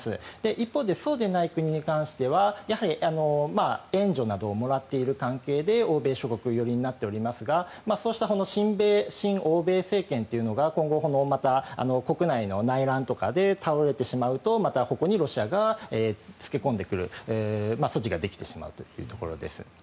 一方でそうでない国に関しては援助などをもらっている関係で欧米諸国寄りになっておりますが親米、親欧米政権というのが今後、また国内の内乱とかで倒れてしまうとまたここにロシアがつけ込んでくる素地ができてしまうというところです。